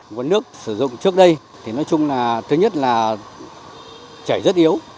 nguồn nước sử dụng trước đây thì nói chung là thứ nhất là chảy rất yếu